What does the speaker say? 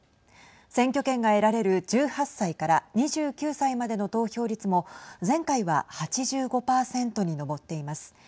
選挙権が得られる１８歳から２９歳までの投票率も前回は８５％に上っています。